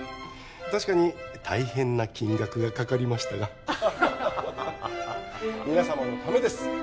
確かに大変な金額がかかりましたが皆様のためです